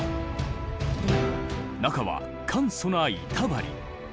中は簡素な板張り。